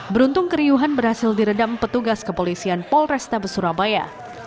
beruntung keriuhan berhasil diredam petugas kepolisian polresta besurabaya